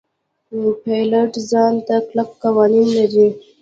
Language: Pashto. پیلوټ ځان ته کلک قوانین لري.